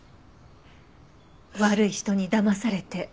悪い人にだまされて。